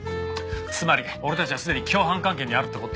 つまり俺たちはすでに共犯関係にあるって事だ。